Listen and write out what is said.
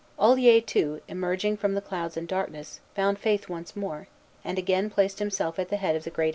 Olier, too, emerging from the clouds and darkness, found faith once more, and again placed himself at the head of the great enterprise.